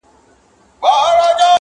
امتياز يې د وهلو کُشتن زما دی!!